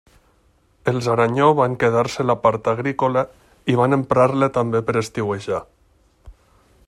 Els Aranyó van quedar-se la part agrícola, i van emprar-la també per estiuejar.